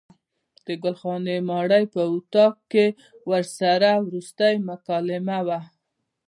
د ګل خانې ماڼۍ په اطاق کې ورسره وروستۍ مکالمه وه.